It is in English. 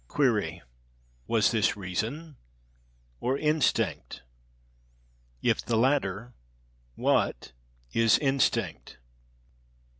Query. Was this reason or instinct? If the latter, what is instinct?